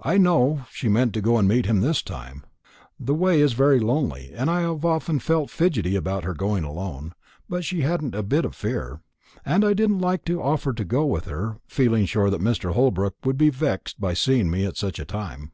I know she meant to go and meet him this time. The way is very lonely, and I have often felt fidgety about her going alone, but she hadn't a bit of fear; and I didn't like to offer to go with her, feeling sure that Mr. Holbrook would be vexed by seeing me at such a time.